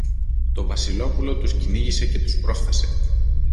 Το Βασιλόπουλο τους κυνήγησε και τους πρόφθασε.